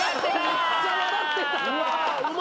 めっちゃ笑ってた！